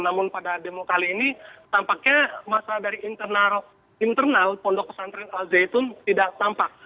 namun pada demo kali ini tampaknya masalah dari internal pondok pesantren al zaitun tidak tampak